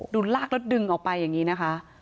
ดูลากแล้วดึงออกไปอย่างนี้นะคะ